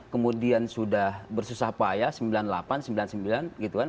kemudian sudah bersusah payah sembilan puluh delapan sembilan puluh sembilan gitu kan